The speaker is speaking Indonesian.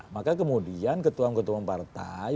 maka kemudian ketua ketua partai